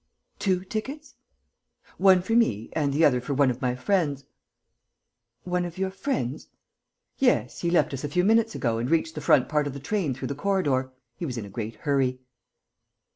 "Two tickets?" "One for me and the other for one of my friends." "One of your friends?" "Yes, he left us a few minutes ago and reached the front part of the train through the corridor. He was in a great hurry."